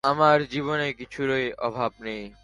আমার জীবনে কিছুরই অভাব নেই।